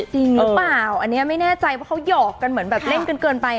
จริงหรือเปล่าอันนี้ไม่แน่ใจว่าเขาหยอกกันเหมือนแบบเล่นกันเกินไป